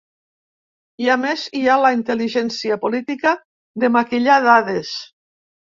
I, a més, hi ha la intel·ligència política de maquillar dades.